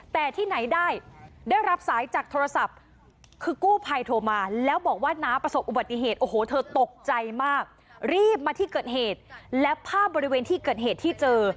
แต่ที่ไหนได้ได้รับสายจากโทรศัพท์คือกู้ภัยโทรมาแล้วบอกว่าน้าประสบอุบัติเหตุโอ้โหเธอตกใจมากรีบมาที่เกิดเหตุและภาพบริเวณที่เกิดเหตุที่เจอ